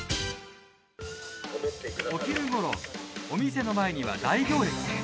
お昼ごろ、お店の前には大行列。